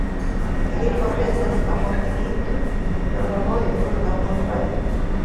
Li forgesas la mortiginton por memori nur la bonfarinton.